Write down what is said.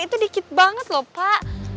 itu dikit banget loh pak